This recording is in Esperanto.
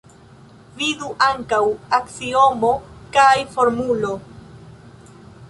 Vidu ankaŭ: Aksiomo Kai Formulo.